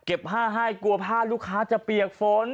ผ้าให้กลัวผ้าลูกค้าจะเปียกฝน